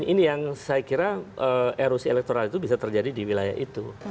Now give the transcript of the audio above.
ini yang saya kira erusi elektoral itu bisa terjadi di wilayah itu